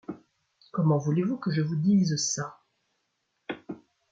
Comment voulez-vous que je vous dise ça ?